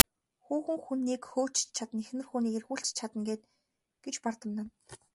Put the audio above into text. Хүүхэн хүнийг хөөж ч чадна, эхнэр хүнийг эргүүлж ч чадна гээд гэж бардамнана.